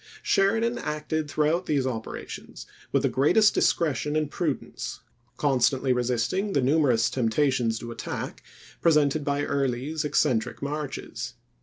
Sheri dan acted throughout these operations with the 296 ABRAHAM LINCOLN ch. xiii. greatest discretion and prudence, constantly resist ing the numerous temptations to attack presented by Early's eccentric marches.